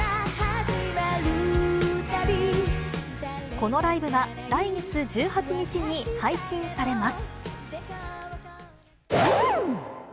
このライブは来月１８日に配信されます。